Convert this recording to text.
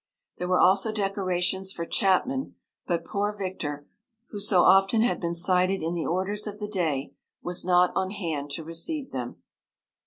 There were also decorations for Chapman, but poor Victor, who so often had been cited in the Orders of the Day, was not on hand to receive them.